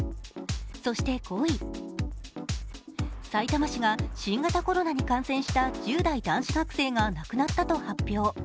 そして５位、さいたま市が新型コロナに感染した１０代男子学生が亡くなったと発表。